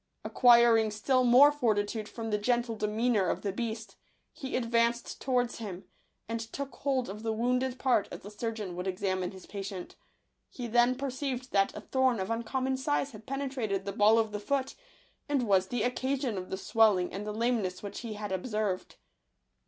Acquiring still more fortitude from the gentle demeanour of the beast, he advanced towards him, and took hold of the wounded part as a surgeon would examine his patient. He then perceived that a thorn of uncommon size had penetrated the ball of the foot, and was the occasion of the swelling and the lameness which he had ob served.